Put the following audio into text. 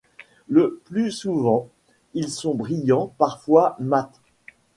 Le plus souvent, ils sont brillants, parfois mates.